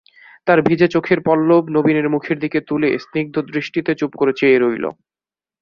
তার ভিজে চোখের পল্লব নবীনের মুখের দিকে তুলে স্নিগ্ধদৃষ্টিতে চুপ করে চেয়ে রইল।